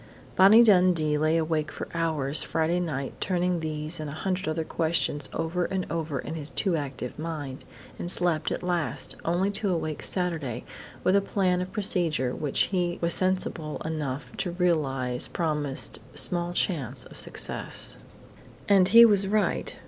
Bonnie Dundee lay awake for hours Friday night turning these and a hundred other questions over and over in his too active mind, and slept at last, only to awake Saturday with a plan of procedure which he was sensible enough to realize promised small chance of success. And he was right.